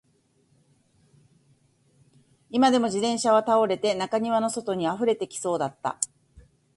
今にも自転車は倒れて、中庭の外に溢れてきそうだった